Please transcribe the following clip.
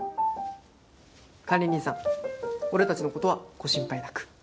管理人さん俺たちの事はご心配なく。